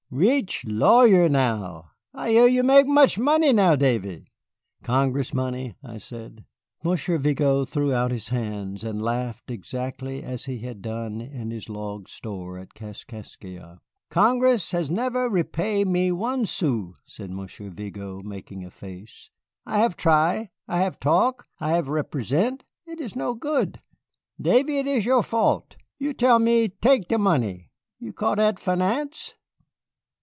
Reech lawyer now, I hear you make much money now, Davy." "Congress money?" I said. Monsieur Vigo threw out his hands, and laughed exactly as he had done in his log store at Kaskaskia. "Congress have never repay me one sou," said Monsieur Vigo, making a face. "I have try I have talk I have represent it is no good. Davy, it is your fault. You tell me tek dat money. You call dat finance?"